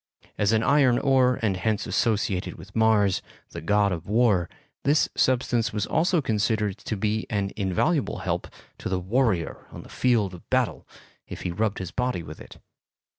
As an iron ore and hence associated with Mars, the god of war, this substance was also considered to be an invaluable help to the warrior on the field of battle if he rubbed his body with it.